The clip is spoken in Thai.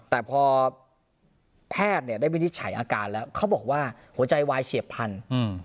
แต่พอแพทย์เนี่ยได้วินิจฉัยอาการแล้วเขาบอกว่าหัวใจวายเฉียบพันธุ์